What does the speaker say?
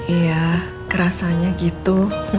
iya kerasanya gitu